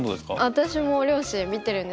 私も両親見てるんですけど。